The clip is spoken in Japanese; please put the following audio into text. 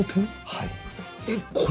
はい。